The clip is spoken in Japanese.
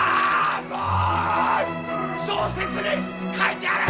小説に書いてやる！